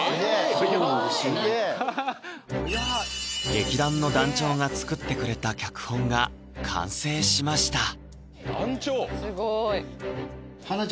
劇団の団長が作ってくれた脚本が完成しました団長！